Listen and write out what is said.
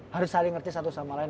harus saling ngerti satu sama lain